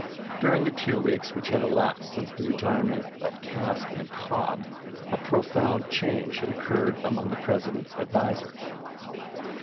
During the two weeks which had elapsed since the retirement of Cass and Cobb, a profound change had occurred among the President's advisers.